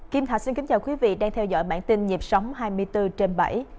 kim thạch xin kính chào quý vị đang theo dõi bản tin nhịp sống hai mươi bốn trên bảy